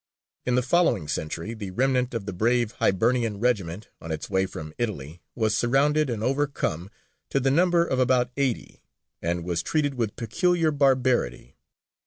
In the following century the remnant of the brave Hibernian Regiment, on its way from Italy, was surrounded and overcome, to the number of about eighty, and was treated with peculiar barbarity.